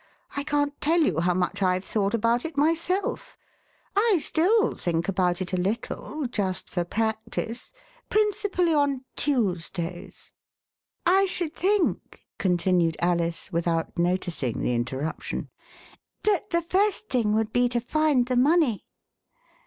I can't tell you how much I've thought about it myself; I still think about it a little, just for practice — principally on Tuesdays." I should think," continued Alice, without noticing 31 The Westminster Alice the interruption, "that the first thing would be to find the money."